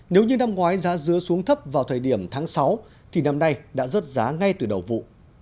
nếu như năm ngoái giá dứa xuống thấp vào thời điểm tháng sáu thì năm nay đã rớt giá ngay từ đầu vụ